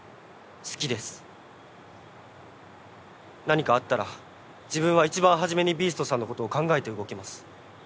何かあったら自分はいちばん初めにビーストさんのことを考えて動きます。